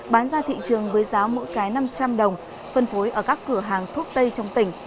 bán ra thị trường với giá mỗi cái năm trăm linh đồng phân phối ở các cửa hàng thuốc tây trong tỉnh